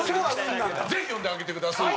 ぜひ呼んであげてください！